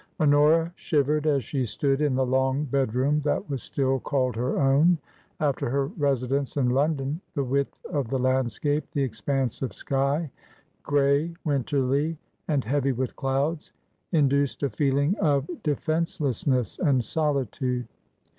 Honora shivered as she stood in the long bedroom that was still called her own. After her residence in London the width of the landscape, the expanse of sky — grey, winterly, and heavy with clouds — induced a feeling of defencelessness and solitude.